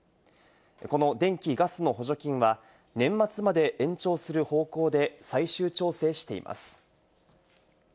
この電気・ガスの補助金は年末まで延長する方向で最終調整しています。